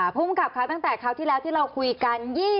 ภูมิกับค่ะตั้งแต่คราวที่แล้วที่เราคุยกัน